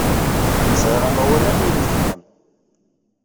Sɛiɣ amawal am win n gma-m.